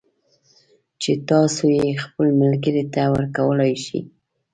چې تاسو یې خپل ملگري ته ورکولای شئ